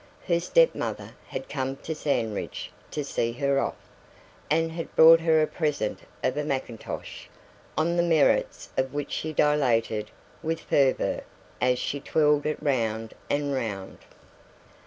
Her step mother had come to Sandridge to see her off, and had brought her a present of a macintosh, on the merits of which she dilated with fervour as she twirled it round and round.